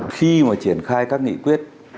khi mà triển khai các nghị quyết